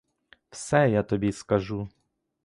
Все я тобі скажу.